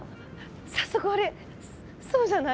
早速あれそうじゃない？